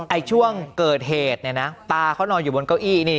ช่วงเกิดเหตุเนี่ยนะตาเขานอนอยู่บนเก้าอี้นี่